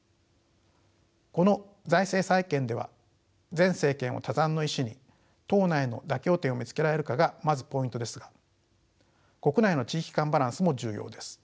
この財政再建では前政権を他山の石に党内の妥協点を見つけられるかがまずポイントですが国内の地域間バランスも重要です。